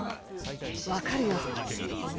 わかるよ。